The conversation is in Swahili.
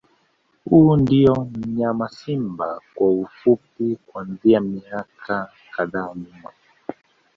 Huyo ndio mnyama Simba kwa ufupi kuanzia miaka kadhaa nyuma